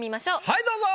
はいどうぞ。